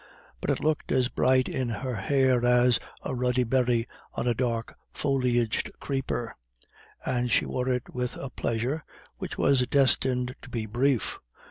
But it looked as bright in her hair as a ruddy berry on a dark foliaged creeper, and she wore it with a pleasure, which was destined to be brief.